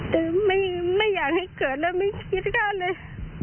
คือไม่อยากให้เกิดแล้วไม่คิดค่าเลย